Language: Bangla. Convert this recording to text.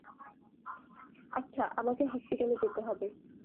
আচ্ছা, আমাকে হসপিটালে যেতে হবে।